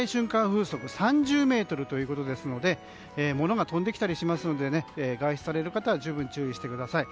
風速は３０メートルということで物が飛んできたりしますので外出される方は十分注意してください。